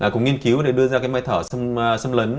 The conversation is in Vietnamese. cùng nghiên cứu và để đưa ra cái máy thở xâm lấn